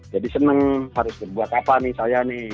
jadi senang harus buat apa nih saya nih